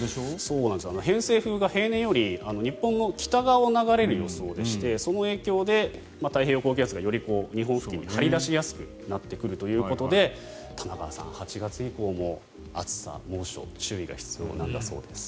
偏西風が例年より日本の北側を流れる予想でしてその影響でまた太平洋高気圧が日本付近に張り出しやすくなっているということで玉川さん、８月以降も暑さ、猛暑注意が必要なんだそうです。